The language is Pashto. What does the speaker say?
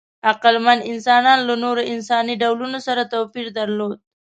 عقلمن انسانان له نورو انساني ډولونو سره توپیر درلود.